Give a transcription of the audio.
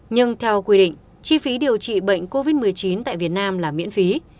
nhưng theo quy định chi phí điều trị bệnh covid một mươi chín tại việt nam là miễn phí